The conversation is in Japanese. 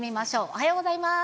おはようございます。